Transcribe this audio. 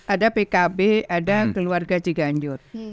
ada pkb ada keluarga ciganjur